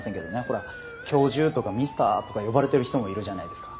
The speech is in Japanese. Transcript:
ほら教授とかミスターとか呼ばれてる人もいるじゃないですか。